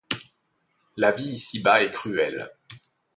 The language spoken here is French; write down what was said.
La vie ici-bas est cruelle.